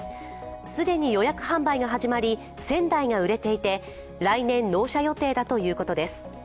既に予約販売が始まり１０００台が売れていて来年、納車予定だということです。